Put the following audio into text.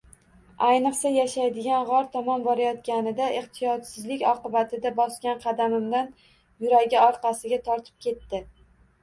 Ayiq yashaydigan g‘or tomon borayotganida, ehtiyotsizlik oqibatida bosgan qadamidan yuragi orqasiga tortib ketdi